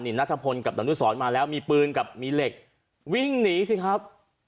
นัทพลกับดนุสรมาแล้วมีปืนกับมีเหล็กวิ่งหนีสิครับ